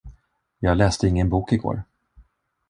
Jag läste ingen bok igår.